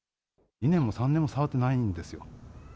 ２年も３年も触ってないんですよ。